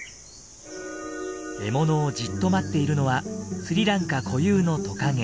獲物をじっと待っているのはスリランカ固有のトカゲ。